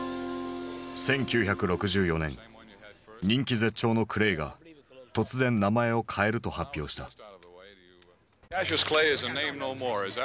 人気絶頂のクレイが突然名前を変えると発表した。